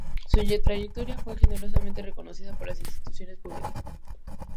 Su trayectoria fue generosamente reconocida por las instituciones públicas.